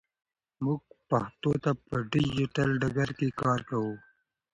موږ پښتو ته په ډیجیټل ډګر کې کار کوو.